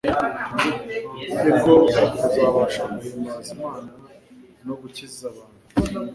ari ko kuzabasha guhimbaza Imana no gukiza abantu.